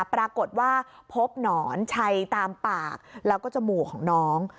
ปรากฏว่าพบหนอนชัยตามปากแล้วก็จมูกของน้อง